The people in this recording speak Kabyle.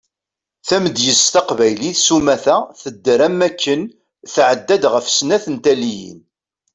Tamedyazt taqbaylit sumata tedder am waken tɛedda-d ɣef snat n taliyin.